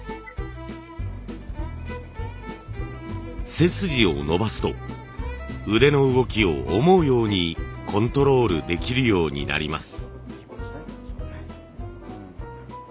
背筋を伸ばすと腕の動きを思うようにコントロールできるようになります。